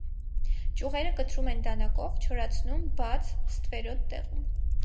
Ճյուղերը կտրում են դանակով, չորացնում բաց, ստվերոտ տեղում։